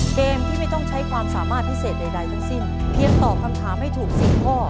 เกมที่ไม่ต้องใช้ความสามารถพิเศษใดทั้งสิ้นเพียงตอบคำถามให้ถูก๔ข้อ